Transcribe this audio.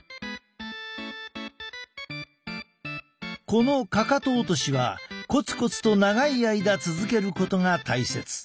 このかかと落としはこつこつと長い間続けることが大切。